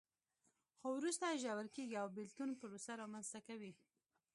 خو وروسته ژور کېږي او بېلتون پروسه رامنځته کوي.